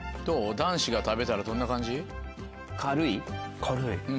男子が食べたらどんな感じ？